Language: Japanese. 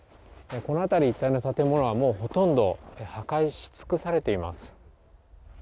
この辺り一帯の建物は、もうほとんど破壊し尽くされています。